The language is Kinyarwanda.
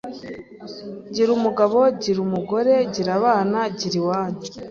gira umugabo, gira umugore, gira abana, gira iwanyu,